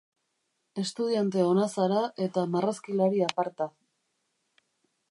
Estudiante ona zara eta marrazkilari aparta.